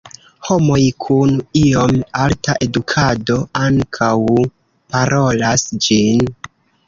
Homoj kun iom alta edukado ankaŭ parolas ĝin.